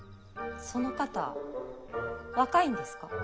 その方若いんですか？